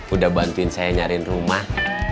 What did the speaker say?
udah bantuin saya nyariin rumah